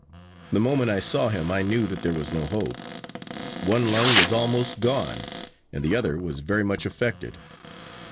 The moment I saw him I knew that there was no hope. One lung was almost gone, and the other was very much affected.